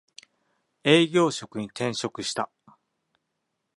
営業職に転職した